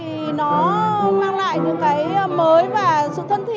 thì nó mang lại những cái mới và sự thân thiện